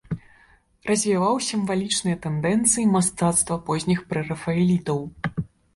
Развіваў сімвалічныя тэндэнцыі мастацтва позніх прэрафаэлітаў.